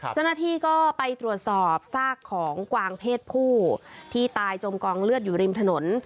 เจ้าหน้าที่ก็ไปตรวจสอบซากของกวางเพศผู้ที่ตายจมกองเลือดอยู่ริมถนน